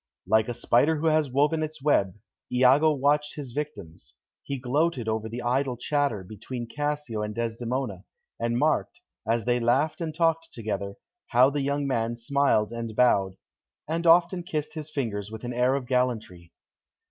Like a spider who has woven its web, Iago watched his victims; he gloated over the idle chatter between Cassio and Desdemona, and marked, as they laughed and talked together, how the young man smiled and bowed, and often kissed his fingers with an air of gallantry.